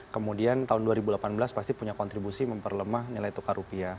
kemudian tahun dua ribu delapan belas pasti punya kontribusi memperlemah nilai tukar rupiah